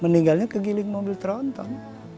meninggalnya kegiling mobil tronton